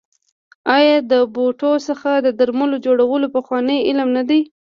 آیا د بوټو څخه د درملو جوړول پخوانی علم نه دی؟